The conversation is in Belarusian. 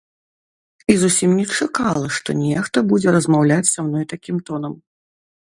І зусім не чакала, што нехта будзе размаўляць са мной такім тонам.